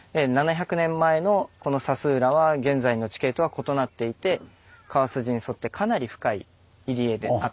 ７００年前のこの佐須浦は現在の地形とは異なっていて川筋に沿ってかなり深い入り江であったと。